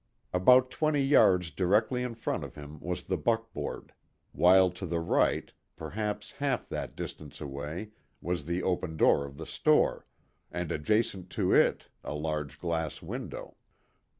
About twenty yards directly in front of him was the buckboard; while to the right, perhaps half that distance away, was the open door of the store, and adjacent to it a large glass window.